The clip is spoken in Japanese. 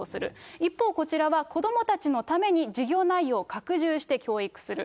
一方、こちらは子どもたちのために授業内容を拡充して教育する。